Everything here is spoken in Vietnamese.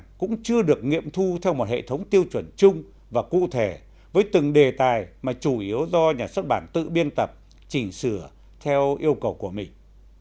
nội dung sách đặt hàng cũng chưa được nghiệm thu theo một hệ thống tiêu chuẩn chung và cụ thể với từng đề tài mà chủ yếu do nhà xuất bản tự biên tập chỉnh sửa theo yêu cầu của mình